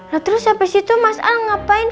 nah terus sampe situ mas al ngapain